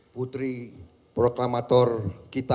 putri proklamator kita